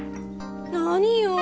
何よ！